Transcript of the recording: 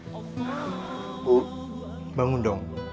bu bangun dong